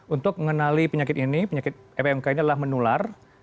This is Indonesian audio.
untuk mengenali penyakit ini penyakit pmk ini adalah menular